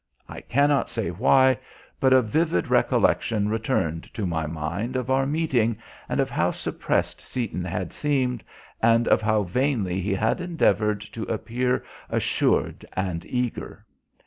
I cannot say why, but a vivid recollection returned to my mind of our meeting and of how suppressed Seaton had seemed, and of how vainly he had endeavoured to appear assured and eager.